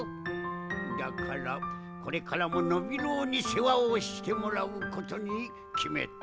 だからこれからもノビローにせわをしてもらうことにきめた。